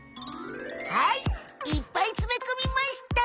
はいいっぱいつめこみました。